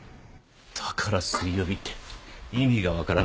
だから水曜日って意味が分からない。